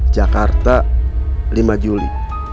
jakarta lima juli dua ribu dua puluh satu